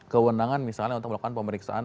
kewenangan misalnya untuk melakukan pemeriksaan